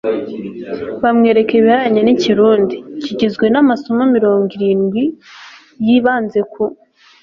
bamwereka ibihereranye n'ikirundi. kigizwe n'amasomo mirongo irindwi. yibanze ku